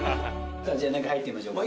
さあじゃあ中入ってみましょうか。